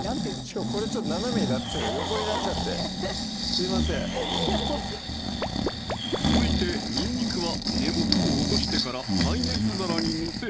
しかもこれちょっと斜めになってたのに横になっちゃってすいません続いてにんにくは根元を落としてから耐熱皿に載せ